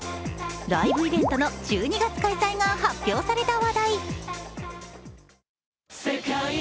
ライブイベントの１２月開催が発表された話題。